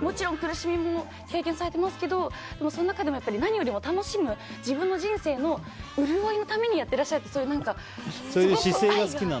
もちろん苦しみも経験されてますけどその中でも何よりも楽しむ自分の人生の潤いのためにそういう姿勢が好きなんだ。